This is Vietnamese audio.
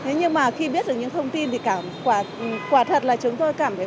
thế nhưng mà khi biết được những thông tin thì quả thật là chúng tôi cảm thấy